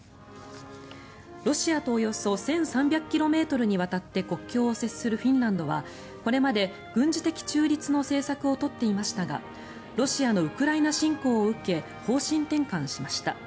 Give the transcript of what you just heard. ロシアとおよそ１３００ｋｍにわたって国境を接するフィンランドはこれまで軍事的中立の政策を取っていましたがロシアのウクライナ侵攻を受け方針転換しました。